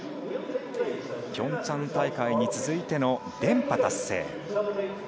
ピョンチャン大会に続いての連覇達成。